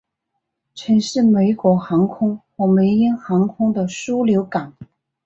曾是美国航空和美鹰航空的枢杻港。